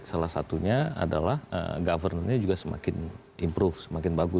salah satunya adalah governernya juga semakin improve semakin bagus